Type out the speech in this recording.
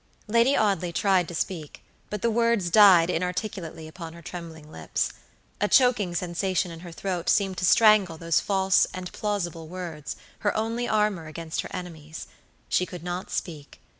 Lady Audley tried to speak, but the words died inarticulately upon her trembling lips. A choking sensation in her throat seemed to strangle those false and plausible words, her only armor against her enemies. She could not speak.